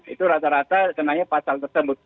itu rata rata kenanya pasal tersebut